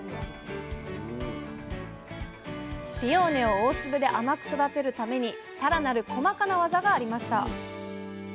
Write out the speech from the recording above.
ピオーネを大粒で甘く育てるためにさらなる細かなワザがありました